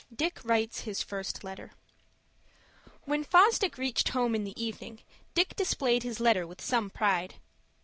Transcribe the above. DICK WRITES HIS FIRST LETTER When Fosdick reached home in the evening, Dick displayed his letter with some pride.